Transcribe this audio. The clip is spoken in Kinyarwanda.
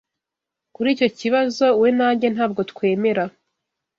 Kuri icyo kibazo, we na njye ntabwo twemera.